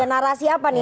jadi ada narasi apa nih